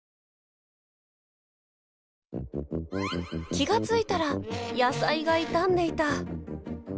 気が付いたら野菜が傷んでいた。